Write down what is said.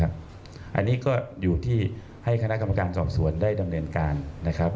อันนี้ก็อยู่ที่ให้คณะกรรมการสอบสวนได้ดำเนินการนะครับ